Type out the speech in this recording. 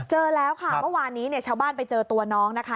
เจอแล้วค่ะเมื่อวานนี้เนี่ยชาวบ้านไปเจอตัวน้องนะคะ